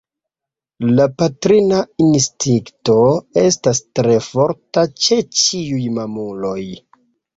La patrina instinkto estas tre forta ĉe ĉiuj mamuloj.